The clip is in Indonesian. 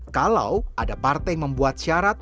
kalau ada partai yang membuat syarat